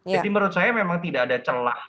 jadi menurut saya memang tidak ada celah